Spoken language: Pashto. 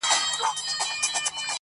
• هغه مه ښوروه ژوند راڅخـه اخلي.